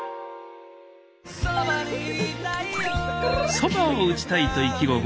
そばを打ちたいと意気込む